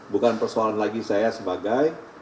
bukan persoalan lagi saya sebagai